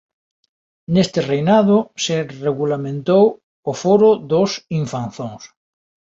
Neste reinado se regulamentou o foro dos infanzóns.